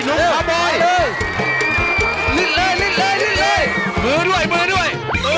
ลึกเลยมือด้วยมือด้วย